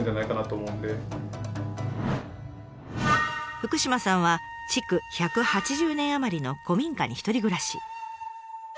福島さんは築１８０年余りの古民家に１人暮らし。